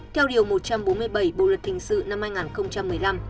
theo điều một trăm bốn mươi bảy bộ luật thình sự năm hai nghìn một mươi năm